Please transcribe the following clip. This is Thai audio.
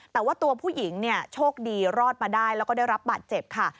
แต่ว่าตัวผู้หญิงเนี่ยโชคดีรอดมาได้แล้วก็ได้รับบาดเจ็บค่ะ